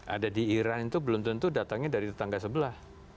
ada di iran itu belum tentu datangnya dari tetangga sebelah